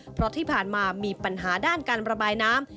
เพราะที่ผ่านมามีปัญหาด้านการระบายน้ำ